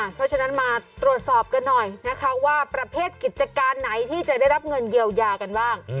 เพราะฉะนั้นมาตรวจสอบกันหน่อยนะคะว่าประเภทกิจการไหนที่จะได้รับเงินเยียวยากันบ้าง